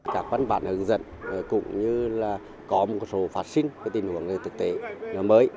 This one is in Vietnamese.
các văn bản hướng dẫn cũng như là có một số phát sinh tình huống thực tế mới